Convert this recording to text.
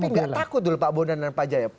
tapi gak takut dulu pak bona dan pak jaya